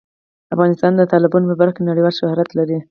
افغانستان د تالابونه په برخه کې نړیوال شهرت لري.